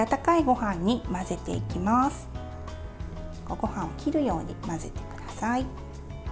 ごはんを切るように混ぜてください。